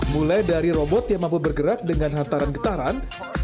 mulai dari robot yang mampu bergerak dengan hantaran getaran